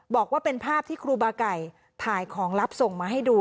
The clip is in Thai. บอกว่าเป็นภาพที่ครูบาไก่ถ่ายของลับส่งมาให้ดู